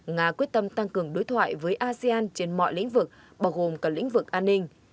nga quyết tâm tăng cường đối thoại với asean trên mọi lĩnh vực bao gồm cả lĩnh vực an ninh